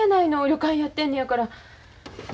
旅館やってるのやから。